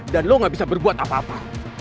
dan lo gak bisa berbuat apa apa